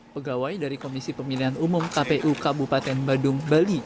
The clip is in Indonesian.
pegawai dari komisi pemilihan umum kpu kabupaten badung bali